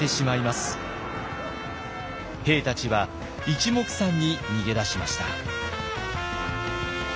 兵たちはいちもくさんに逃げ出しました。